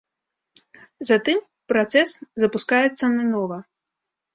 Затым працэс запускаецца нанова.